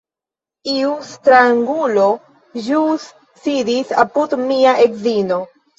Iu strangulo ĵus sidis apud mia edzino